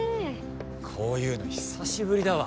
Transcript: こういうの久しぶりだわ。